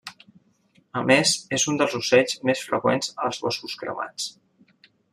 A més, és un dels ocells més freqüents als boscos cremats.